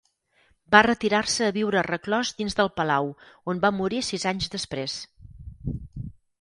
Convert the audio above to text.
Va retirar-se a viure reclòs dins del Palau on va morir sis anys després.